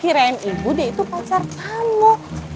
kirain ibu deh itu pacar kamu